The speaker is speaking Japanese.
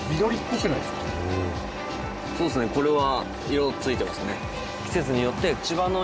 そうですねこれは。